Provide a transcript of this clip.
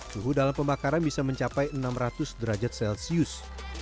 suhu dalam pembakaran bisa mencapai enam ratus derajat celcius